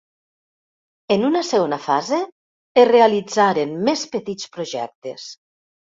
En una segona fase, es realitzaren més petits projectes.